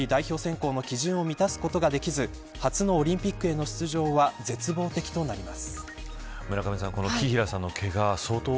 これにより代表選考の基準を満たすことができず初のオリンピックへの出場は絶望的となります。